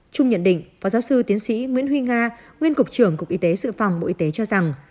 trung nhận định phó giáo sư tiến sĩ nguyễn huy nga nguyên cục trưởng cục y tế sự phòng bộ y tế cho rằng